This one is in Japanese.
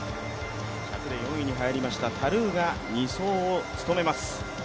１００で４位に入りましたタルーが２走を務めます。